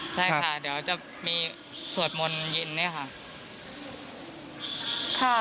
ใช่ค่ะเดี๋ยวจะมีสวดมนต์เย็นเนี่ยค่ะ